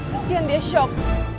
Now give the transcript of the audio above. kasian dia shock